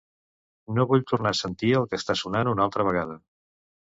No vull tornar a sentir el que està sonant una altra vegada.